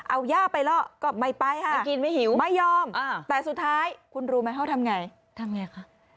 เอาย่าไปล่อก็ไม่ไปค่ะไม่กินไม่หิวไม่ยอมแต่สุดท้ายคุณรู้ไหมเขาทำไงทำไงคะ